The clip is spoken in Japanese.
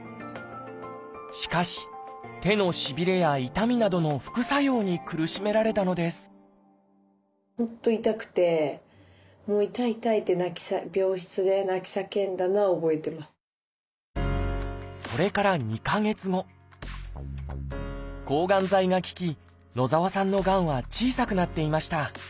しかし手のしびれや痛みなどの副作用に苦しめられたのですもう痛い痛いってそれから２か月後抗がん剤が効き野澤さんのがんは小さくなっていました。